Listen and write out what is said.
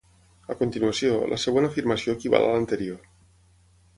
A continuació, la següent afirmació equival a l'anterior.